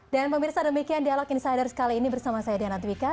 dan pemirsa demikian dialog insider kali ini bersama saya diana twika